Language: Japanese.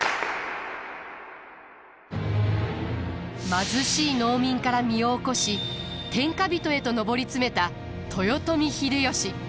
貧しい農民から身を起こし天下人へと上り詰めた豊臣秀吉。